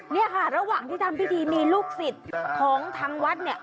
แต่ระหว่างที่ทำพิธีมีลูกศิษย์ของทางวัด